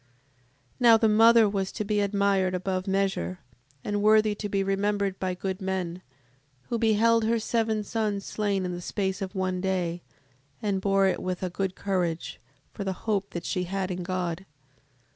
7:20. Now the mother was to be admired above measure, and worthy to be remembered by good men, who beheld her seven sons slain in the space of one day, and bore it with a good courage, for the hope that she had in God: 7:21.